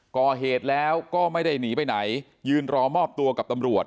ก่อเหตุแล้วก็ไม่ได้หนีไปไหนยืนรอมอบตัวกับตำรวจ